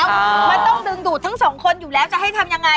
มันต้องดึงดูดทั้งสองคนอยู่แล้วจะให้ทำยังไง